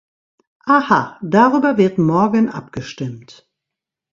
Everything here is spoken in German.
Aha, darüber wird morgen abgestimmt.